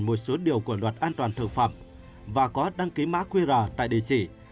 một số điều của luật an toàn thực phẩm và có đăng ký mã qr tại địa chỉ